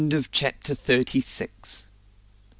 CHAPTER THIRTY SEVEN.